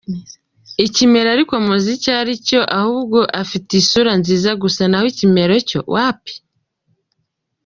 Ikimero ariko muzi icyaricyo ahubwo afite isura nziza gusa naho Ikimero cyo wapi.